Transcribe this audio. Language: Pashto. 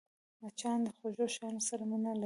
مچان د خوږو شيانو سره مینه لري